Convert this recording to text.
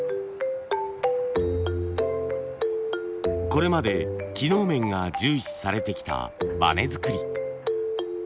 これまで機能面が重視されてきたバネ作り。